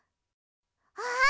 あっ！